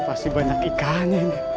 pasti banyak ikan